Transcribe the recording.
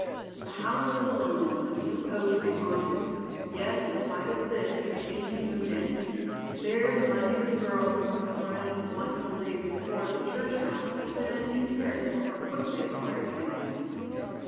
The house was a lonely one, supposed to be haunted, yet in spite of this Eugenia moved in. There the money of the girl whom her friend had once believed "poor as a church mouse" fed and cared for her quickly acquired family.